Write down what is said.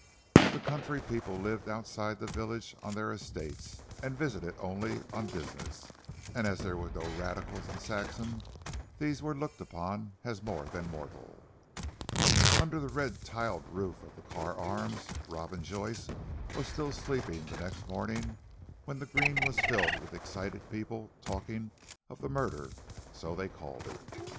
The country people lived outside the village on their estates and visited it only on business; and as there were no Radicals in Saxham, these were looked upon as more than mortal. Under the red tiled roof of 'The Carr Arms,' Robin Joyce was still sleeping the next morning when the green was filled with excited people talking of the murder so they called it.